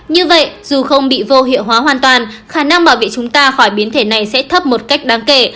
như vậy dù không bị vô hiệu hóa hoàn toàn khả năng bảo vệ chúng ta khỏi biến thể này sẽ thấp một cách đáng kể